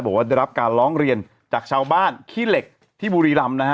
บอกว่าได้รับการร้องเรียนจากชาวบ้านขี้เหล็กที่บุรีรำนะฮะ